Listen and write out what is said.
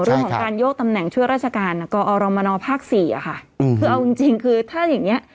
เรื่องของการโยกตำแหน่งช่วยราชการกอรมนภาคสี่อ่ะค่ะอืมคือเอาจริงจริงคือถ้าอย่างเงี้ย